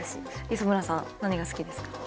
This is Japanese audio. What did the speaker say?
磯村さん何が好きですか？